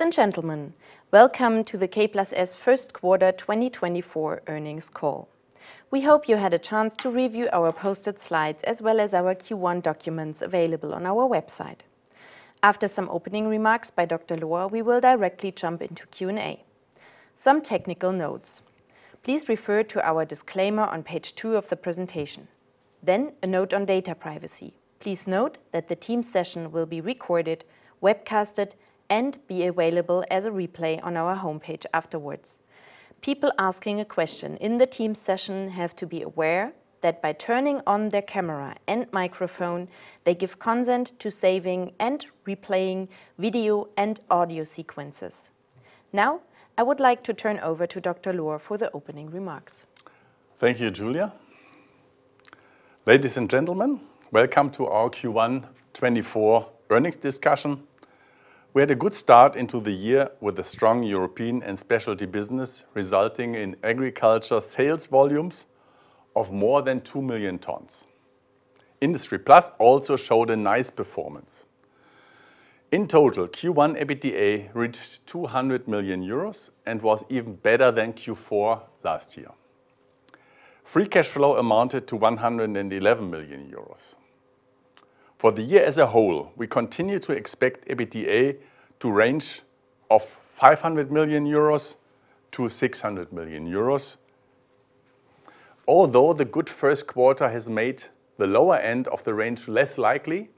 Ladies and gentlemen, welcome to the K+S first quarter 2024 earnings call. We hope you had a chance to review our posted slides, as well as our Q1 documents available on our website. After some opening remarks by Dr. Lohr, we will directly jump into Q&A. Some technical notes: please refer to our disclaimer on page two of the presentation. Then, a note on data privacy. Please note that the Teams session will be recorded, webcasted, and be available as a replay on our homepage afterwards. People asking a question in the Teams session have to be aware that by turning on their camera and microphone, they give consent to saving and replaying video and audio sequences. Now, I would like to turn over to Dr. Lohr for the opening remarks. Thank you, Julia. Ladies and gentlemen, welcome to our Q1 2024 earnings discussion. We had a good start into the year with a strong European and specialty business, resulting in agriculture sales volumes of more than 2 million tons. Industry+ also showed a nice performance. In total, Q1 EBITDA reached 200 million euros, and was even better than Q4 last year. Free cash flow amounted to 111 million euros. For the year as a whole, we continue to expect EBITDA to range of 500 million-600 million euros. Although the good first quarter has made the lower end of the range less likely,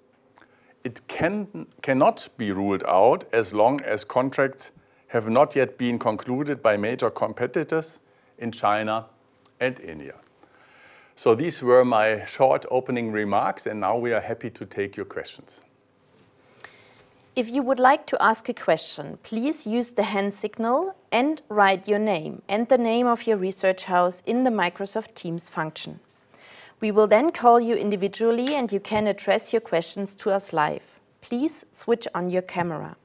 it cannot be ruled out, as long as contracts have not yet been concluded by major competitors in China and India. So these were my short opening remarks, and now we are happy to take your questions. If you would like to ask a question, please use the hand signal and write your name and the name of your research house in the Microsoft Teams function. We will then call you individually, and you can address your questions to us live. Please switch on your camera.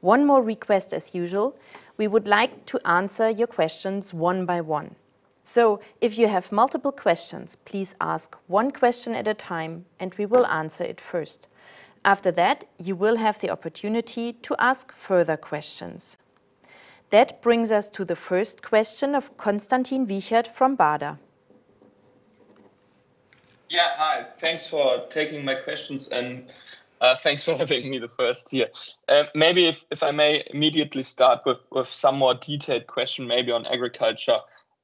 One more request as usual, we would like to answer your questions one by one. So if you have multiple questions, please ask one question at a time, and we will answer it first. After that, you will have the opportunity to ask further questions. That brings us to the first question of Konstantin Wiechert from Baader. Yeah, hi. Thanks for taking my questions, and thanks for having me the first here. Maybe if I may immediately start with some more detailed question, maybe on agriculture.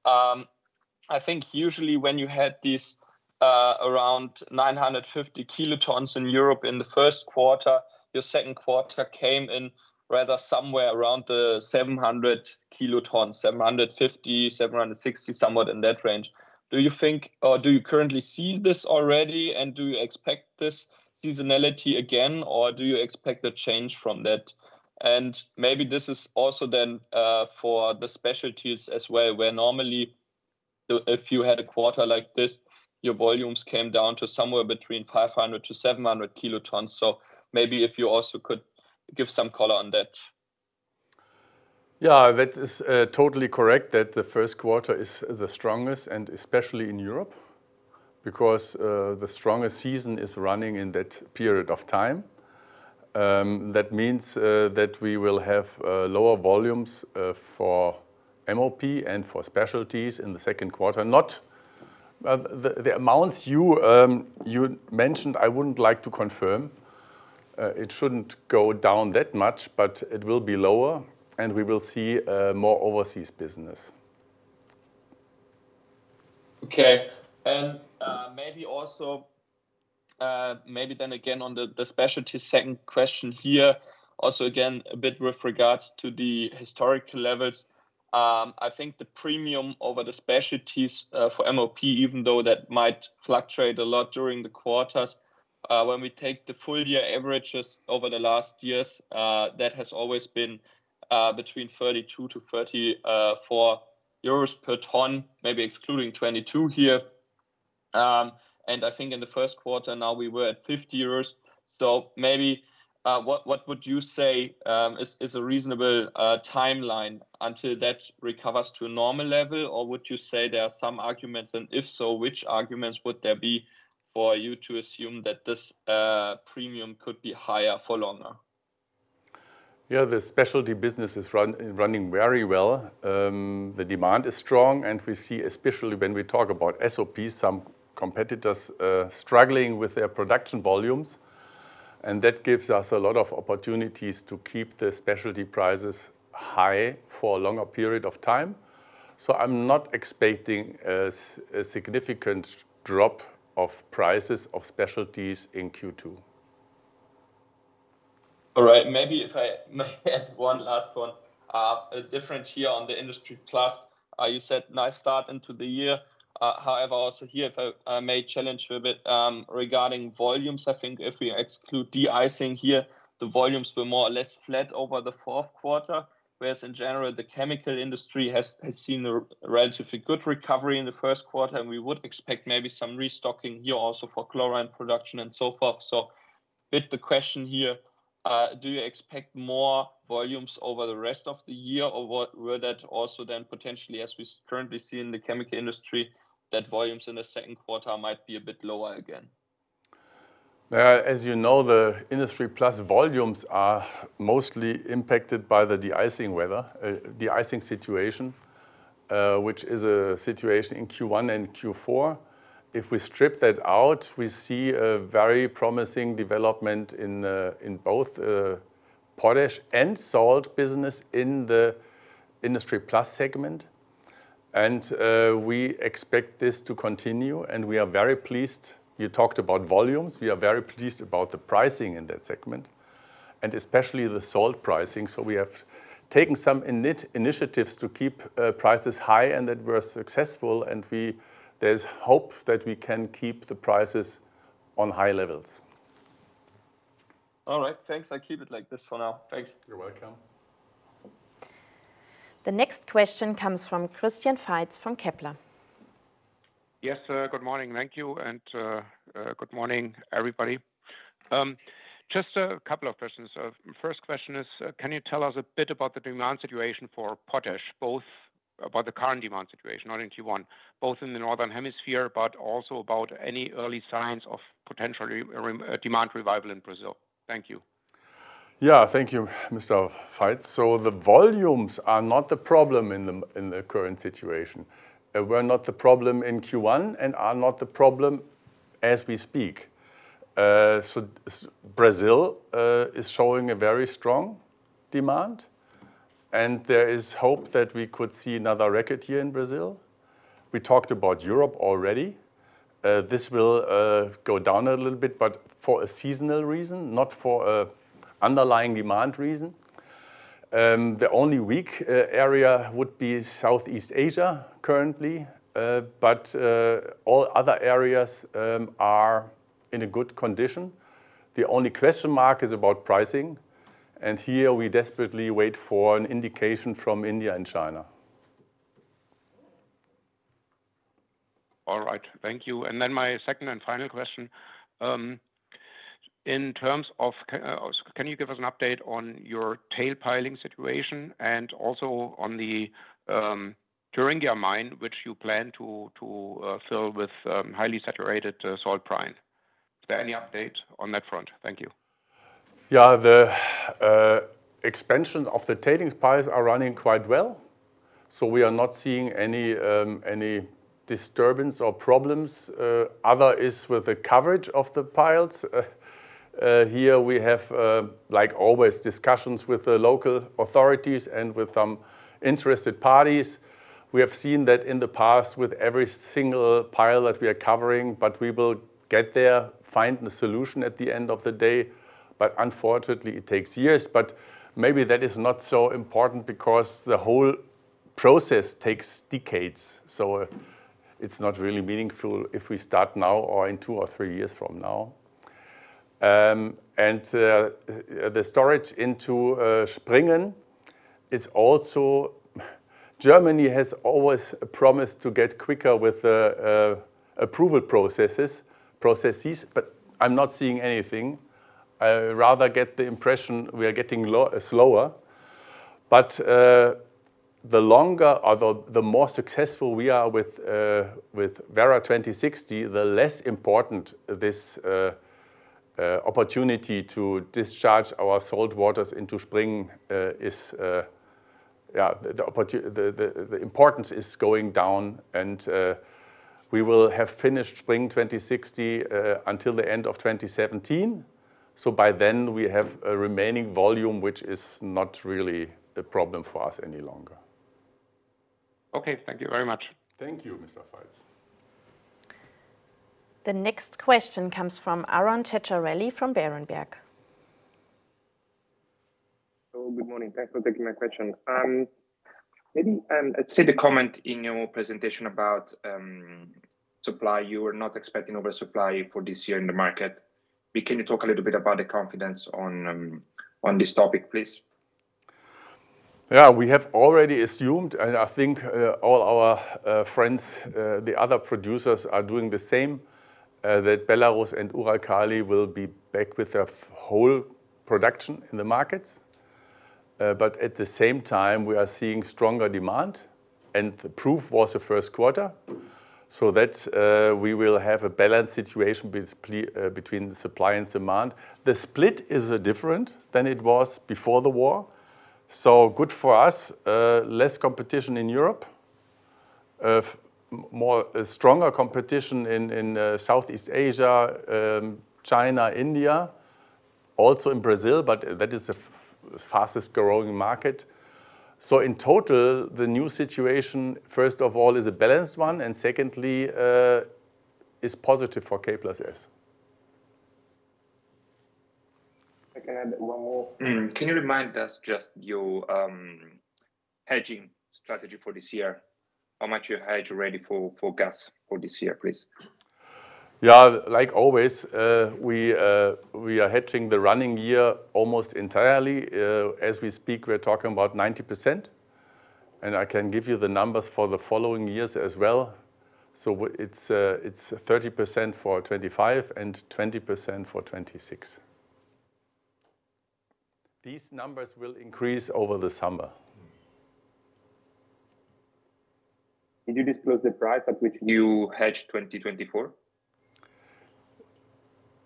I think usually when you had these around 950 kilotons in Europe in the first quarter, your second quarter came in rather somewhere around the 700 kilotons, 750, 760, somewhere in that range. Do you think... Or do you currently see this already, and do you expect this seasonality again, or do you expect a change from that? And maybe this is also then for the specialties as well, where normally if you had a quarter like this, your volumes came down to somewhere between 500 kilotons-700 kilotons. So maybe if you also could give some color on that. Yeah, that is, totally correct, that the first quarter is the strongest, and especially in Europe, because, the strongest season is running in that period of time. That means, that we will have, lower volumes, for MOP and for specialties in the second quarter. Not... The amounts you, you mentioned, I wouldn't like to confirm. It shouldn't go down that much, but it will be lower, and we will see, more overseas business. Okay. And, maybe also, maybe then again, on the specialties, second question here, also, again, a bit with regards to the historical levels. I think the premium over the specialties for MOP, even though that might fluctuate a lot during the quarters, when we take the full year averages over the last years, that has always been between 32-34 euros per ton, maybe excluding 2022 here. And I think in the first quarter now we were at 50 euros. So maybe, what would you say is a reasonable timeline until that recovers to a normal level? Or would you say there are some arguments, and if so, which arguments would there be for you to assume that this premium could be higher for longer? Yeah, the specialty business is running very well. The demand is strong, and we see, especially when we talk about SOP, some competitors struggling with their production volumes, and that gives us a lot of opportunities to keep the specialty prices high for a longer period of time. So I'm not expecting a significant drop of prices of specialties in Q2. All right. Maybe if I may ask one last one. A different one here on the Industry+. You said nice start into the year. However, also here, if I may challenge you a bit regarding volumes. I think if we exclude de-icing here, the volumes were more or less flat over the fourth quarter. Whereas in general, the chemical industry has seen a relatively good recovery in the first quarter, and we would expect maybe some restocking here also for chlorine production and so forth. So the question here, do you expect more volumes over the rest of the year, or will that also then potentially, as we currently see in the chemical industry, that volumes in the second quarter might be a bit lower again? Well, as you know, the Industry+ volumes are mostly impacted by the de-icing weather, de-icing situation, which is a situation in Q1 and Q4. If we strip that out, we see a very promising development in both, potash and salt business in the Industry+ segment. And, we expect this to continue, and we are very pleased. You talked about volumes, we are very pleased about the pricing in that segment, and especially the salt pricing. So we have taken some initiatives to keep, prices high, and that were successful, and there's hope that we can keep the prices on high levels. All right. Thanks. I keep it like this for now. Thanks. You're welcome. The next question comes from Christian Faitz from Kepler. Yes, sir, good morning. Thank you, and, good morning, everybody. Just a couple of questions. First question is, can you tell us a bit about the demand situation for potash, both about the current demand situation, not in Q1, both in the Northern Hemisphere, but also about any early signs of potential demand revival in Brazil? Thank you. Yeah, thank you, Mr. Faitz. So the volumes are not the problem in the current situation. Were not the problem in Q1 and are not the problem as we speak. So, Brazil is showing a very strong demand, and there is hope that we could see another record here in Brazil. We talked about Europe already. This will go down a little bit, but for a seasonal reason, not for a underlying demand reason. The only weak area would be Southeast Asia currently, but all other areas are in a good condition. The only question mark is about pricing, and here we desperately wait for an indication from India and China. All right. Thank you. And then my second and final question. In terms of, can you give us an update on your tailings piles situation and also on the Thuringia mine, which you plan to fill with highly saturated salt brine? Is there any update on that front? Thank you. Yeah, the expansion of the tailings piles are running quite well, so we are not seeing any any disturbance or problems. Other is with the coverage of the piles. Here we have, like always, discussions with the local authorities and with interested parties. We have seen that in the past with every single pile that we are covering, but we will get there, find the solution at the end of the day, but unfortunately, it takes years. But maybe that is not so important because the whole process takes decades, so it's not really meaningful if we start now or in two or three years from now. The storage into Springen is also... Germany has always promised to get quicker with approval processes, but I'm not seeing anything. I rather get the impression we are getting slower. But the longer or the more successful we are with Werra 2060, the less important this opportunity to discharge our salt waters into Springen is, yeah, the importance is going down, and we will have finished Werra 2060 until the end of 2017. So by then, we have a remaining volume, which is not really a problem for us any longer. Okay. Thank you very much. Thank you, Mr. Faitz. The next question comes from Aron Ceccarelli from Berenberg. Hello, good morning. Thanks for taking my question. Maybe, I see the comment in your presentation about supply. You were not expecting oversupply for this year in the market. But can you talk a little bit about the confidence on this topic, please? Yeah, we have already assumed, and I think, all our, friends, the other producers are doing the same, that Belarus and Uralkali will be back with their whole production in the markets. But at the same time, we are seeing stronger demand, and the proof was the first quarter. So that's, we will have a balanced situation between the supply and demand. The split is, different than it was before the war. So good for us, less competition in Europe, more, stronger competition in, in, Southeast Asia, China, India, also in Brazil, but that is the fastest growing market. So in total, the new situation, first of all, is a balanced one, and secondly, is positive for K+S. If I can add one more. Can you remind us just your hedging strategy for this year? How much you hedge already for gas for this year, please? Yeah, like always, we are hedging the running year almost entirely. As we speak, we're talking about 90%, and I can give you the numbers for the following years as well. So it's 30% for 2025 and 20% for 2026. These numbers will increase over the summer. Did you disclose the price at which you hedged 2024?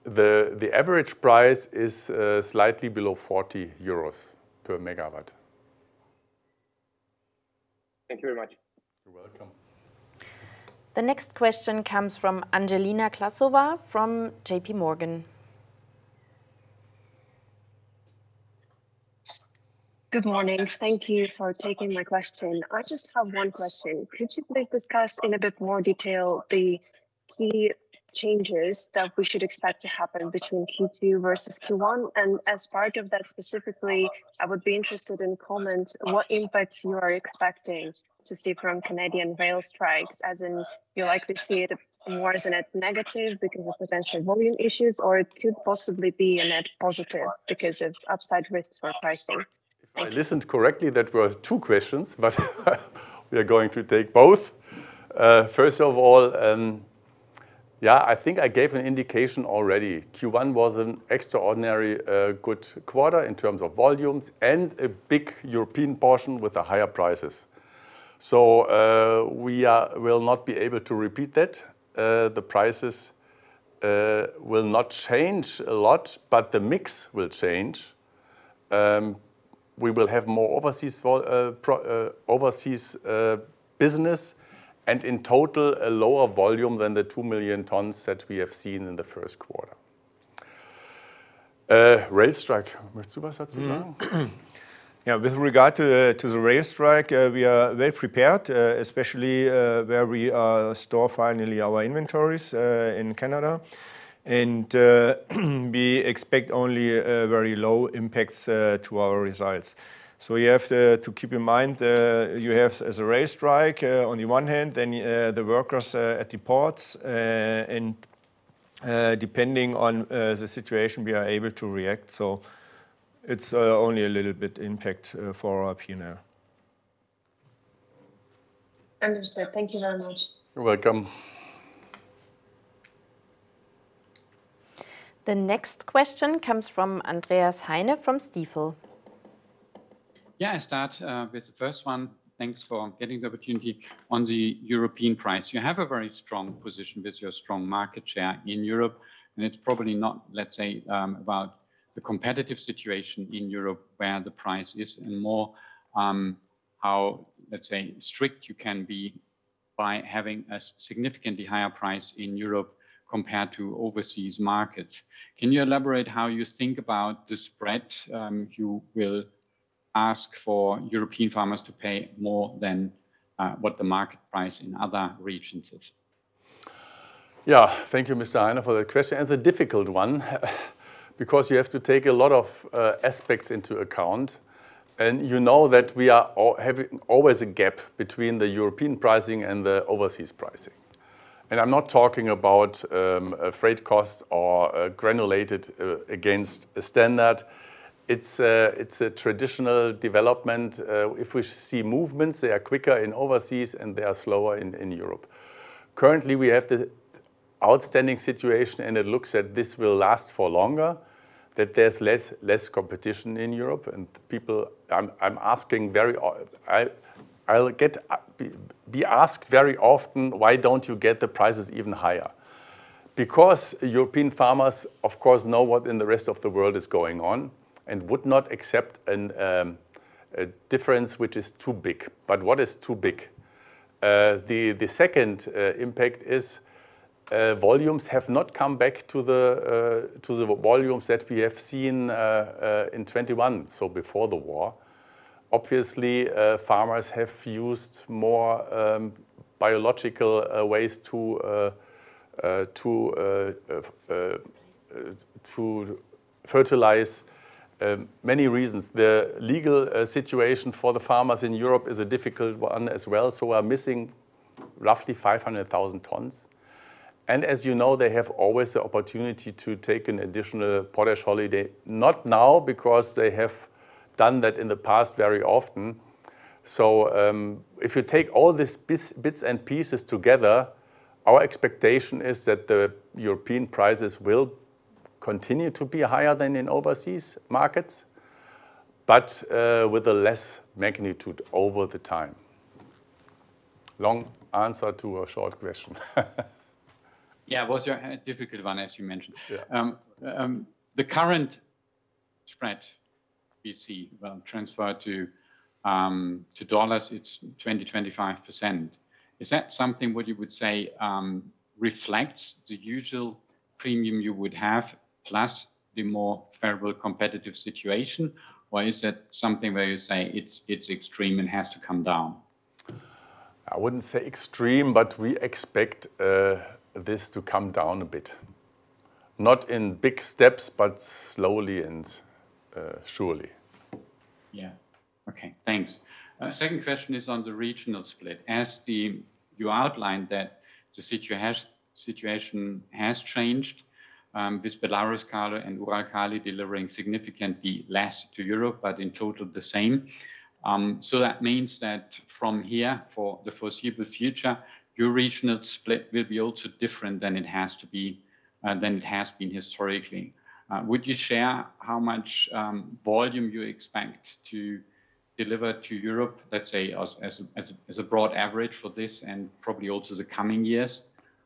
The average price is slightly below 40 euros per megawatt. Thank you very much. You're welcome. The next question comes from Angelina Glazova from JPMorgan. Good morning. Thank you for taking my question. I just have one question: Could you please discuss in a bit more detail the key changes that we should expect to happen between Q2 versus Q1? And as part of that specifically, I would be interested in comment, what impacts you are expecting to see from Canadian rail strikes, as in you'll likely see it more as a net negative because of potential volume issues, or it could possibly be a net positive because of upside risks for pricing? Thank you. If I listened correctly, that were two questions, but we are going to take both. First of all, yeah, I think I gave an indication already. Q1 was an extraordinary good quarter in terms of volumes and a big European portion with the higher prices. So, we will not be able to repeat that. The prices will not change a lot, but the mix will change. We will have more overseas business, and in total, a lower volume than the 2 million tons that we have seen in the first quarter. Rail strike. Yeah, with regard to the rail strike, we are well prepared, especially where we store finally our inventories in Canada. And we expect only very low impacts to our results. So you have to keep in mind you have as a rail strike on the one hand, then the workers at the ports. And depending on the situation, we are able to react. So it's only a little bit impact for our P&L. Understood. Thank you very much. You're welcome. The next question comes from Andreas Heine from Stifel. Yeah, I start with the first one. Thanks for getting the opportunity. On the European price, you have a very strong position with your strong market share in Europe, and it's probably not, let's say, about the competitive situation in Europe, where the price is, and more, how, let's say, strict you can be by having a significantly higher price in Europe compared to overseas markets. Can you elaborate how you think about the spread, you will ask for European farmers to pay more than, what the market price in other regions is? Yeah. Thank you, Mr. Heine, for that question, and a difficult one, because you have to take a lot of aspects into account. And you know that we are having always a gap between the European pricing and the overseas pricing. And I'm not talking about freight costs or granulated against a standard. It's a traditional development. If we see movements, they are quicker in overseas, and they are slower in Europe. Currently, we have the outstanding situation, and it looks that this will last for longer, that there's less competition in Europe and people... I get asked very often: "Why don't you get the prices even higher?" Because European farmers, of course, know what in the rest of the world is going on and would not accept a difference which is too big. But what is too big? The second impact is volumes have not come back to the volumes that we have seen in 2021, so before the war. Obviously, farmers have used more biological ways to fertilize. Many reasons. The legal situation for the farmers in Europe is a difficult one as well, so we are missing roughly 500,000 tons. And as you know, they have always the opportunity to take an additional potash holiday. Not now, because they have done that in the past very often. So, if you take all these bits and pieces together, our expectation is that the European prices will continue to be higher than in overseas markets, but, with a less magnitude over the time. Long answer to a short question. Yeah, it was a difficult one, as you mentioned. The current spread we see, well, transferred to dollars, it's 20%-25%. Is that something what you would say reflects the usual premium you would have, plus the more favorable competitive situation? Or is that something where you say it's extreme and has to come down? I wouldn't say extreme, but we expect this to come down a bit. Not in big steps, but slowly and surely. Yeah. Okay, thanks. Second question is on the regional split. As you outlined that the situation has changed, with Belaruskali and Uralkali delivering significantly less to Europe, but in total the same. So that means that from here, for the foreseeable future, your regional split will also be different than it has been historically. Would you share how much volume you expect to deliver to Europe, let's say, as a broad average for this, and probably also the coming years,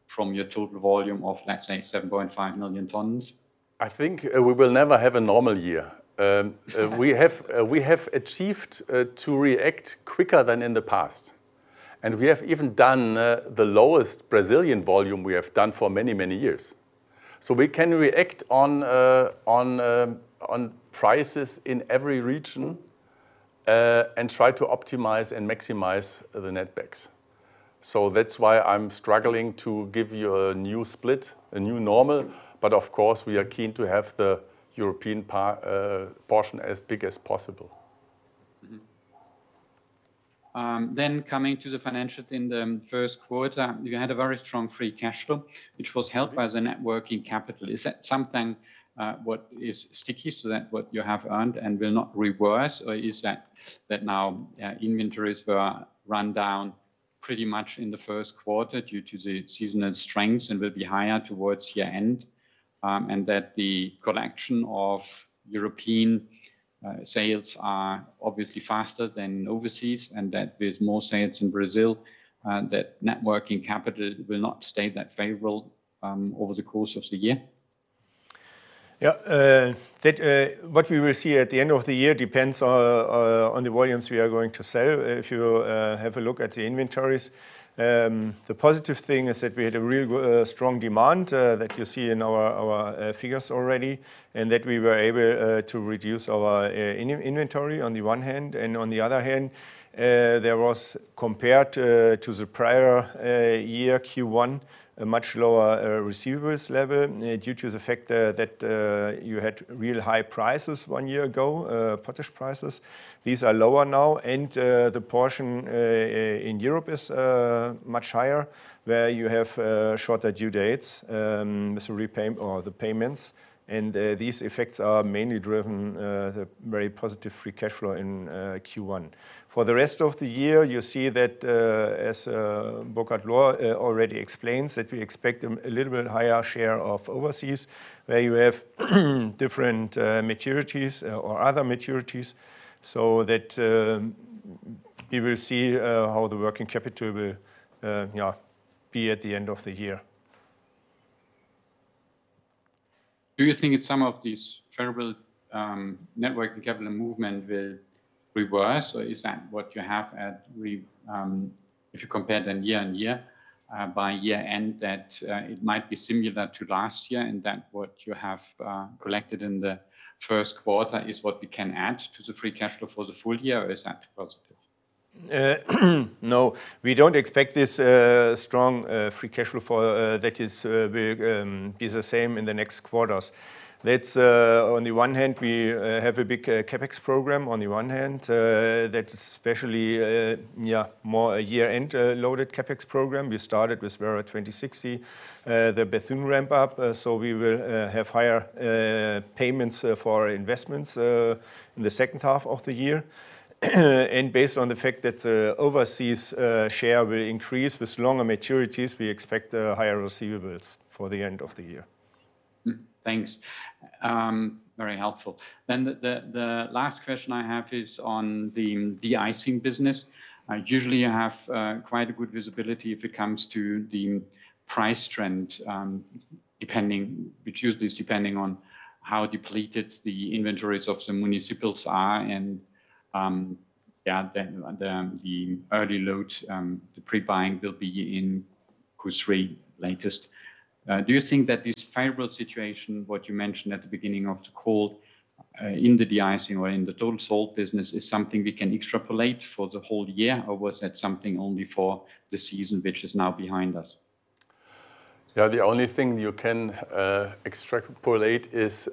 from your total volume of, let's say, 7.5 million tons? I think, we will never have a normal year. We have achieved to react quicker than in the past, and we have even done the lowest Brazilian volume we have done for many, many years. So we can react on prices in every region, and try to optimize and maximize the netbacks. So that's why I'm struggling to give you a new split, a new normal, but of course, we are keen to have the European portion as big as possible. Coming to the financial in the first quarter, you had a very strong Free Cash Flow which was helped by the Net Working Capital. Is that something, what is sticky, so that what you have earned and will not reverse? Or is that, that now, inventories were run down pretty much in the first quarter due to the seasonal strengths and will be higher towards year-end, and that the collection of European sales are obviously faster than overseas, and that there's more sales in Brazil, that Net Working Capital will not stay that favorable, over the course of the year? Yeah, that what we will see at the end of the year depends on on the volumes we are going to sell. If you have a look at the inventories, the positive thing is that we had a real strong demand that you see in our our figures already, and that we were able to reduce our inventory on the one hand, and on the other hand there was, compared to to the prior year Q1, a much lower receivables level due to the fact that you had real high prices one year ago, potash prices. These are lower now, and the portion in Europe is much higher, where you have shorter due dates with the repayment or the payments. And, these effects are mainly driven the very positive free cash flow in Q1. For the rest of the year, you see that, as Burkhard Lohr already explained, that we expect a little bit higher share of overseas, where you have different maturities or other maturities, so that we will see how the working capital will be at the end of the year. Do you think that some of these favorable Net Working Capital movement will reverse, or is that what you have, if you compare them year-on-year, by year-end, that it might be similar to last year, and that what you have collected in the first quarter is what we can add to the Free Cash Flow for the full year, or is that positive? No, we don't expect this strong free cash flow, that is, will be the same in the next quarters. That's on the one hand, we have a big CapEx program on the one hand, that's especially, yeah, more a year-end loaded CapEx program. We started with Werra 2060, the Bethune ramp up, so we will have higher payments for investments in the second half of the year. And based on the fact that overseas share will increase with longer maturities, we expect higher receivables for the end of the year. Thanks. Very helpful. Then the last question I have is on the de-icing business. I usually have quite a good visibility if it comes to the price trend, depending, which usually is depending on how depleted the inventories of the municipals are, and then the early load, the pre-buying will be in Q3 latest. Do you think that this favorable situation, what you mentioned at the beginning of the call, in the de-icing or in the total salt business, is something we can extrapolate for the whole year, or was that something only for the season, which is now behind us? Yeah, the only thing you can extrapolate is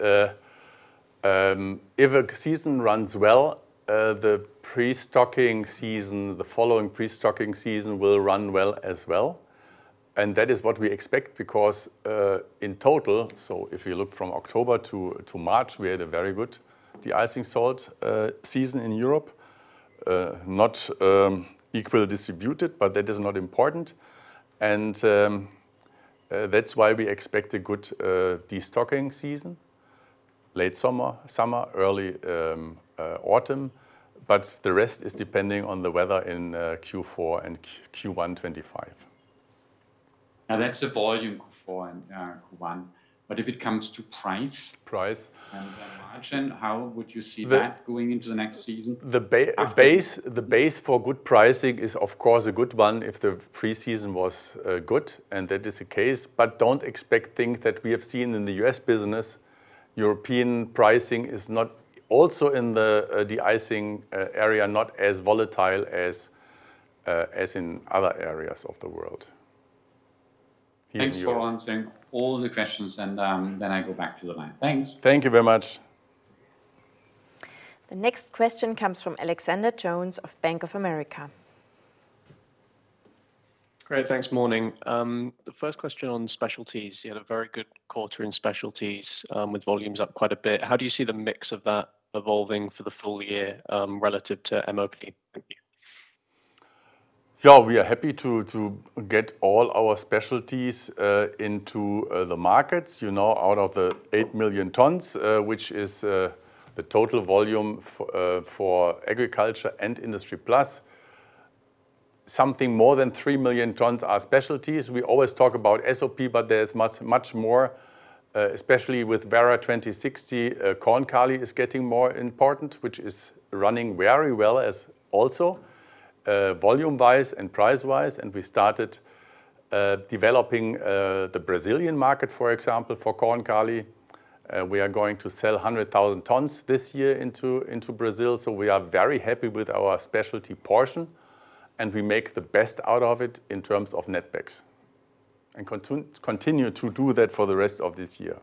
if a season runs well, the pre-stocking season, the following pre-stocking season will run well as well, and that is what we expect, because in total... So if you look from October to March, we had a very good de-icing salt season in Europe. Not equally distributed, but that is not important. And that's why we expect a good de-stocking season, late summer, summer, early autumn, but the rest is depending on the weather in Q4 and Q1 2025. Now, that's the volume, Q4 and, Q1. But if it comes to price- Price and margin, how would you see that going into the next season? The base, the base for good pricing is, of course, a good one if the pre-season was good, and that is the case, but don't expect things that we have seen in the US business. European pricing is not, also in the de-icing area, not as volatile as in other areas of the world. Thanks for answering all the questions, and, then I go back to the line. Thanks. Thank you very much. The next question comes from Alexander Jones of Bank of America. Great, thanks. Morning. The first question on specialties, you had a very good quarter in specialties, with volumes up quite a bit. How do you see the mix of that evolving for the full year, relative to MOP? Thank you. Yeah, we are happy to get all our specialties into the markets. You know, out of the 8 million tons, which is the total volume for agriculture and Industry+ something more than 3 million tons are specialties. We always talk about SOP, but there is much, much more, especially with Werra 2060, Korn-Kali is getting more important, which is running very well as also, volume-wise and price-wise, and we started developing the Brazilian market, for example, for Korn-Kali. We are going to sell 100,000 tons this year into Brazil, so we are very happy with our specialty portion, and we make the best out of it in terms of netbacks, and continue to do that for the rest of this year.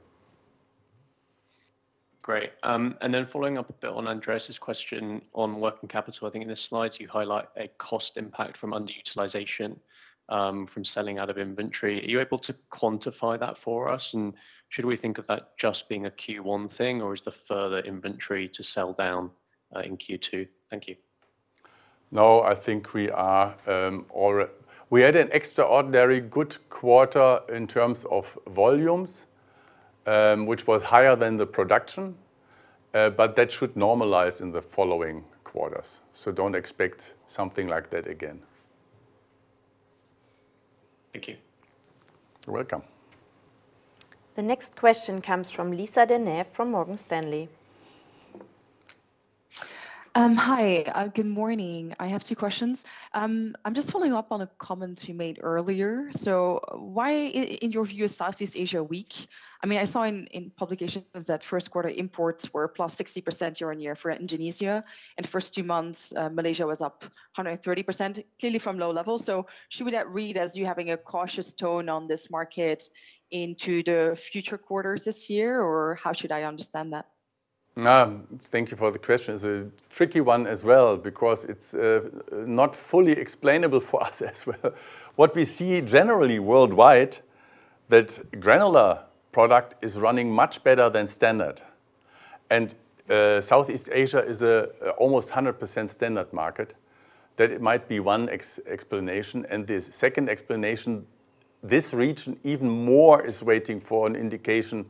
Great. And then following up a bit on Andreas' question on working capital, I think in the slides you highlight a cost impact from underutilization, from selling out of inventory. Are you able to quantify that for us, and should we think of that just being a Q1 thing, or is there further inventory to sell down, in Q2? Thank you. No, I think we are. We had an extraordinary good quarter in terms of volumes, which was higher than the production, but that should normalize in the following quarters, so don't expect something like that again. Thank you. You're welcome. The next question comes from Lisa De Neve, from Morgan Stanley. Hi. Good morning. I have two questions. I'm just following up on a comment you made earlier. So why, in your view, is Southeast Asia weak? I mean, I saw in publications that first quarter imports were +60% year-on-year for Indonesia, and the first two months, Malaysia was up 130%, clearly from low levels. So should we read that as you having a cautious tone on this market into the future quarters this year, or how should I understand that? Thank you for the question. It's a tricky one as well, because it's not fully explainable for us as well. What we see generally worldwide, that granular product is running much better than standard, and Southeast Asia is almost 100% standard market, that it might be one explanation. And the second explanation, this region, even more, is waiting for an indication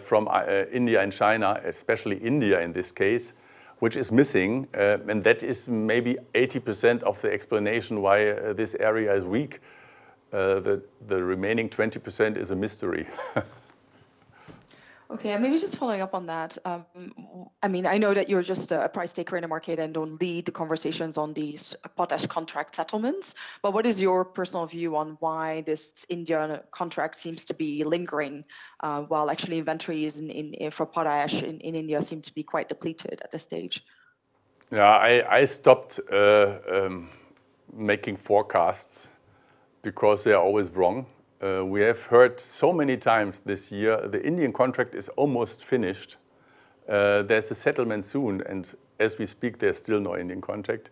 from India and China, especially India in this case, which is missing, and that is maybe 80% of the explanation why this area is weak. The remaining 20% is a mystery. Okay, and maybe just following up on that, I mean, I know that you're just a price taker in the market and don't lead the conversations on these potash contract settlements, but what is your personal view on why this India contract seems to be lingering, while actually inventory is in for potash in India seem to be quite depleted at this stage? Yeah, I stopped making forecasts because they are always wrong. We have heard so many times this year, the Indian contract is almost finished, there's a settlement soon, and as we speak, there's still no Indian contract.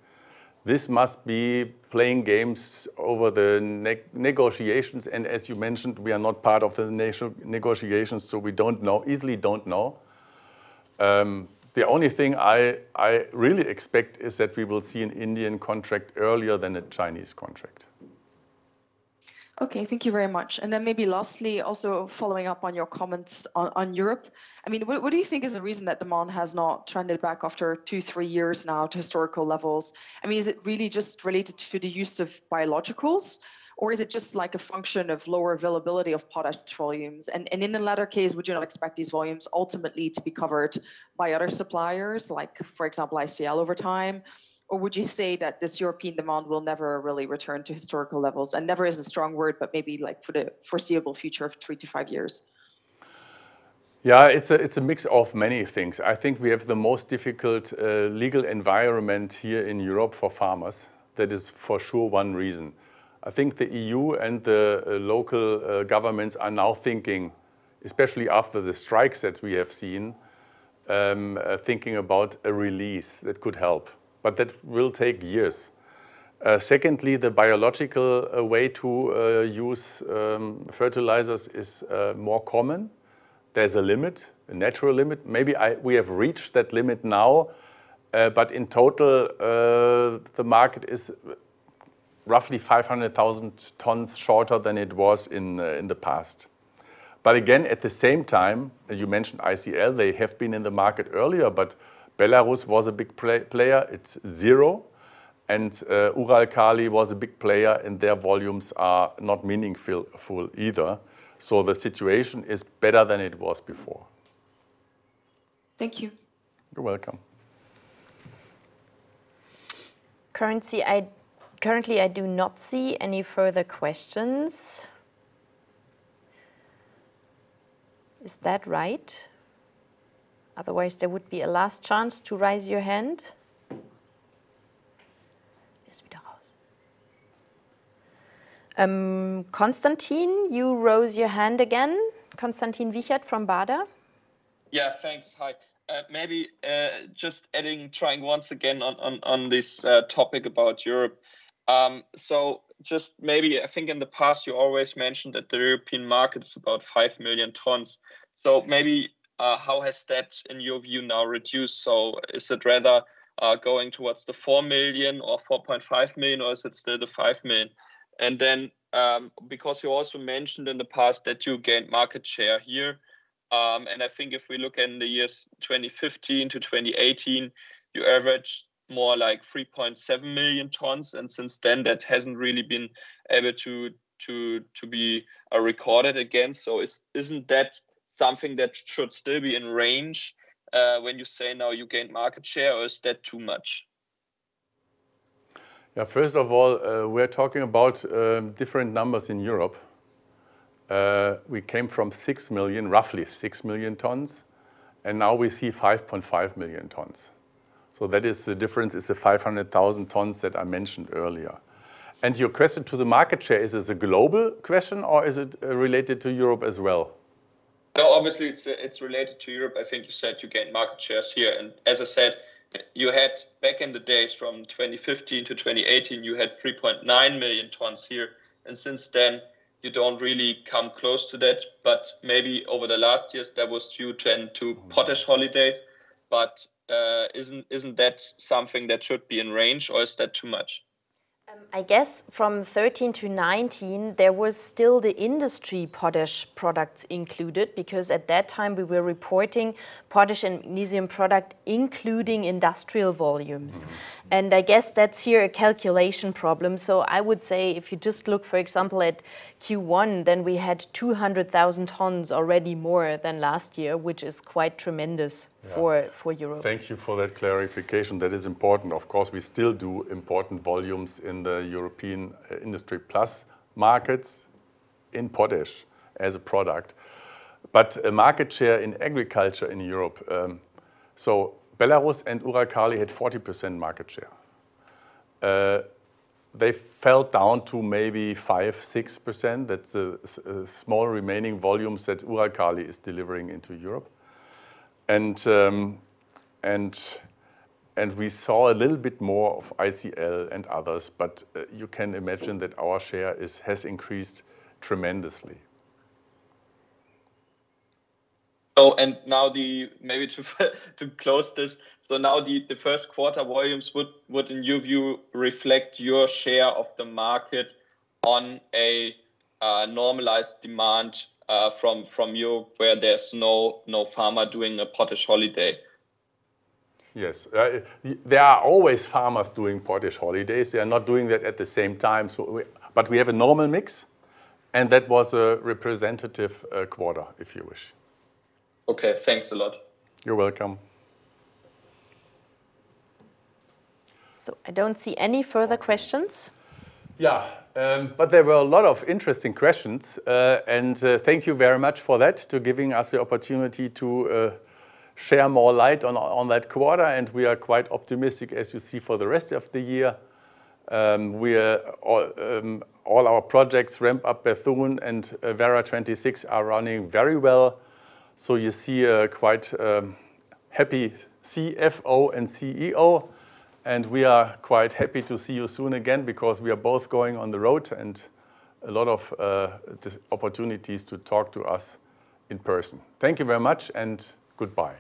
This must be playing games over the negotiations, and as you mentioned, we are not part of the negotiations, so we don't know easily, don't know. The only thing I really expect is that we will see an Indian contract earlier than a Chinese contract. Okay, thank you very much. Then maybe lastly, also following up on your comments on Europe, I mean, what do you think is the reason that demand has not trended back after two-three years now to historical levels? I mean, is it really just related to the use of biologicals, or is it just like a function of lower availability of potash volumes? And in the latter case, would you not expect these volumes ultimately to be covered by other suppliers, like, for example, ICL over time? Or would you say that this European demand will never really return to historical levels? And never is a strong word, but maybe like for the foreseeable future of three-five years. Yeah, it's a mix of many things. I think we have the most difficult legal environment here in Europe for farmers. That is for sure one reason. I think the EU and the local governments are now thinking, especially after the strikes that we have seen, thinking about a release that could help, but that will take years. Secondly, the biological way to use fertilizers is more common. There's a limit, a natural limit. Maybe we have reached that limit now, but in total, the market is roughly 500,000 tons shorter than it was in the past. But again, at the same time, as you mentioned, ICL, they have been in the market earlier, but Belarus was a big player. It's zero, and, Uralkali was a big player, and their volumes are not meaningful either, so the situation is better than it was before. Thank you. You're welcome. Currently, I do not see any further questions. Is that right? Otherwise, there would be a last chance to raise your hand. Konstantin, you rose your hand again. Konstantin Wiechert from Baader? Yeah, thanks. Hi. Maybe just adding, trying once again on this topic about Europe. So just maybe, I think in the past you always mentioned that the European market is about 5 million tons. So maybe, how has that, in your view, now reduced? So is it rather going towards the 4 million or 4.5 million, or is it still the 5 million? And then, because you also mentioned in the past that you gained market share here, and I think if we look in the years 2015 to 2018, you averaged more like 3.7 million tons, and since then, that hasn't really been able to be recorded again. Isn't that something that should still be in range, when you say now you gained market share, or is that too much? Yeah, first of all, we're talking about different numbers in Europe. We came from 6 million, roughly 6 million tons, and now we see 5.5 million tons. So that is the difference, it's the 500,000 tons that I mentioned earlier. And your question to the market share, is this a global question or is it related to Europe as well? No, obviously, it's related to Europe. I think you said you gained market shares here, and as I said, you had, back in the days from 2015 to 2018, you had 3.9 million tons here, and since then you don't really come close to that. But maybe over the last years that was due to, and to potash holidays. But, isn't that something that should be in range, or is that too much? I guess from 2013 to 2019, there was still the industry potash products included, because at that time we were reporting potash and magnesium product, including industrial volumes. I guess that's here a calculation problem. I would say if you just look, for example, at Q1, then we had 200,000 tons already more than last year, which is quite tremendous for Europe. Thank you for that clarification. That is important. Of course, we still do important volumes in the European Industry+ markets in potash as a product. But, market share in agriculture in Europe... So Belaruskali and Uralkali had 40% market share. They fell down to maybe 5%-6%. That's the small remaining volumes that Uralkali is delivering into Europe. And we saw a little bit more of ICL and others, but, you can imagine that our share has increased tremendously. Oh, and now maybe to close this, so now the first quarter volumes would in your view reflect your share of the market on a normalized demand from Europe, where there's no farmer doing a potash holiday? Yes. There are always farmers doing potash holidays. They are not doing that at the same time, so we... But we have a normal mix, and that was a representative quarter, if you wish/ Okay, thanks a lot. You're welcome. I don't see any further questions. Yeah, but there were a lot of interesting questions. And thank you very much for that, to giving us the opportunity to share more light on that quarter, and we are quite optimistic, as you see, for the rest of the year. We are all our projects ramp up, Bethune and Werra 2060 are running very well. So you see a quite happy CFO and CEO, and we are quite happy to see you soon again because we are both going on the road, and a lot of just opportunities to talk to us in person. Thank you very much, and goodbye.